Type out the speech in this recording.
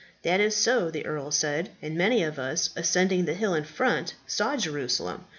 "That is so," the earl said; "and many of us, ascending the hill in front, saw Jerusalem.